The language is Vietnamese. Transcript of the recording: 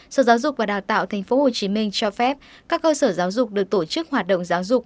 sở giáo dục và đào tạo tp hcm cho phép các cơ sở giáo dục được tổ chức hoạt động giáo dục